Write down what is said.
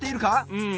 うん。